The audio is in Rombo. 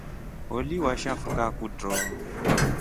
Oli washafuka kutro.